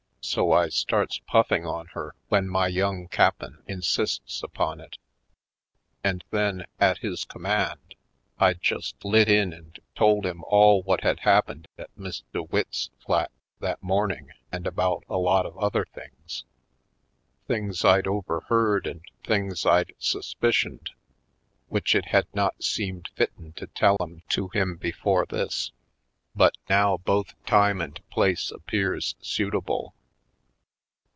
So I starts puffing on her when my Young Cap'n insists upon it; and then, at his command, I just lit in and told him all what had happened at Miss DeWitt's flat that morning and about a lot of other things — things I'd overheard and things I'd suspicioned — which it had not seemed fitten to tell 'em to him before this, but now both time and place appears suit able.